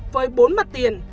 với bốn mặt tiền